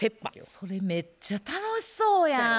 それめっちゃ楽しそうやん。